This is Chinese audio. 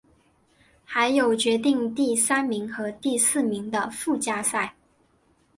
还有决定第三名和第四名的附加赛。